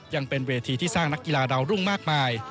ยังเป็นเวทีที่สร้างนักกีฬาดาวรุ่งมากมาย